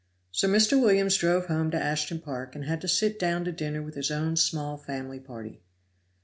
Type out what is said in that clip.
So Mr. Williams drove home to Ashtown Park, and had to sit down to dinner with his own small family party.